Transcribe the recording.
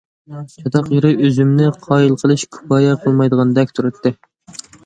چاتاق يېرى ئۆزۈمنى قايىل قىلىش كۇپايە قىلمايدىغاندەك تۇراتتى.